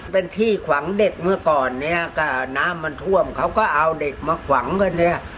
เป็นที่ขวางเด็กเมื่อก่อนเนี้ยก็น้ำมันท่วมเขาก็เอาเด็กมาขวางกันเนี่ย